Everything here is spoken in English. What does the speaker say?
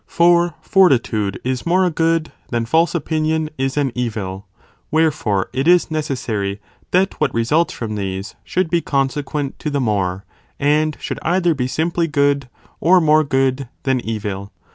For fortitude is more a good, than false opinion is an evil, wherefore it is necessary that what results from these, should be consequent to the more, and should either be simply good, or more good than evil.